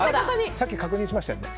さっき確認しましたよね？